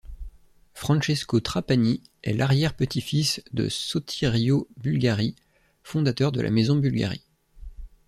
Francesco Trapani est l’arrière petit-fils de Sotirio Bulgari, fondateur de la maison Bulgari.